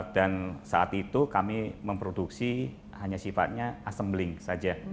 dan saat itu kami memproduksi hanya sifatnya assembling saja